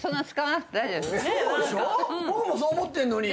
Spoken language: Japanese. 僕もそう思ってんのに。